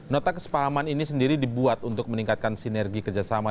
nota kesepahaman ini sendiri dibuat untuk meningkatkan sinergi kerjasama